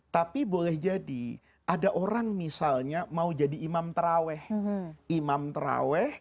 tapi boleh jadi ada orang misalnya mau jadi imam al quran